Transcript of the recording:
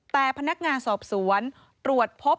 แต่พนักงานสอบสวนตรวจพบ